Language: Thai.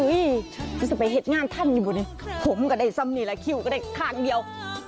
ก็จะไปเห็นงานท่านอยู่นี่ผมก็ได้ซ้ำนี่แหละคิ้วก็ได้ข้างเดียว